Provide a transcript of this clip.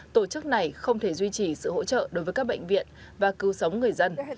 tổ chức này không thể duy trì sự hỗ trợ đối với các bệnh viện và cứu sống người dân